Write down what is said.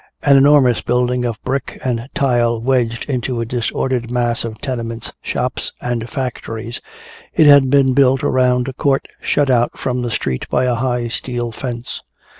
An enormous building of brick and tile wedged into a disordered mass of tenements, shops and factories, it had been built around a court shut out from the street by a high steel fence.